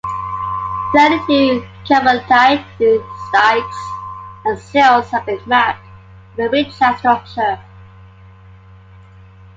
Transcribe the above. Thirty-two carbonatite dikes and sills have been mapped within the Richat Structure.